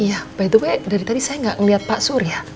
iya by the way dari tadi saya gak ngeliat pak sur ya